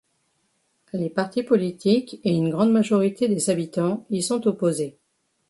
Les partis politiques et une grande majorité des habitants y sont opposés.